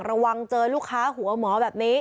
ระวังเจอลูกค้าหัวหมอแบบนี้